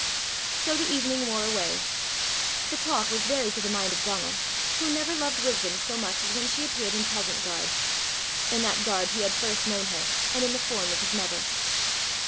So the evening wore away. The talk was to the very mind of Donal, who never loved wisdom so much as when she appeared in peasant garb. In that garb he had first known her, and in the form of his mother.